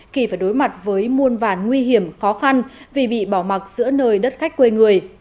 thì phải đối mặt với muôn vàn nguy hiểm khó khăn vì bị bỏ mặt giữa nơi đất khách quê người